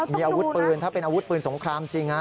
มีอาวุธปืนถ้าเป็นอาวุธปืนสงครามจริง